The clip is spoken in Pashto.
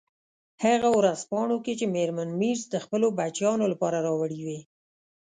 هغه ورځپاڼو کې چې میرمن مېرز د خپلو بچیانو لپاره راوړي وې.